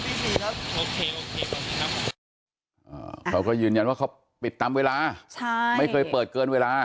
โอเคโอเคครับเขาก็ยืนยันว่าเขาปิดตามเวลาใช่ไม่เคยเปิดเกินเวลา